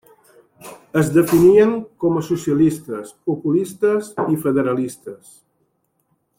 Es definien com a socialistes, populistes i federalistes.